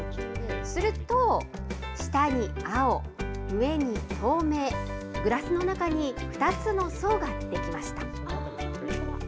すると下に青、上に透明、グラスの中に２つの層が出来ました。